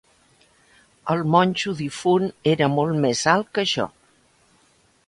El monjo difunt era molt més alt que jo.